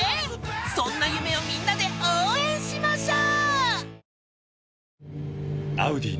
そんな夢をみんなで応援しましょう